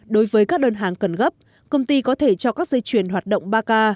đối với các đơn hàng cần gấp công ty có thể cho các dây chuyền hoạt động ba k